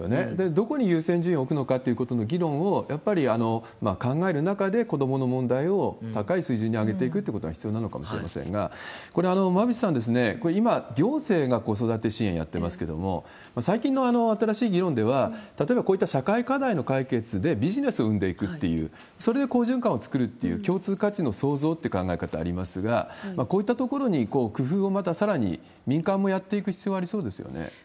どこに優先順位を置くのかということの議論をやっぱり考える中で、子どもの問題を高い水準に上げていくということが必要なのかもしれませんが、これ、馬渕さん、今、行政が子育て支援やってますけど、最近の新しい議論では、例えばこういった社会課題の解決でビジネスを生んでいくっていう、それで好循環を作るっていう、共通価値の創造っていう考え方ありますが、こういったところに工夫をまたさらに、民間もやっていく必要ありそうですよね。